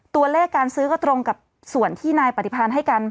ตัวเลขการซื้อก็ตรงกับส่วนที่นายปฏิพันธ์ให้กัน